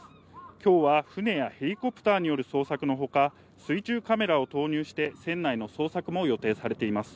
今日は船やヘリコプターによる捜索のほか、水中カメラを投入して、船内の捜索も予定されています。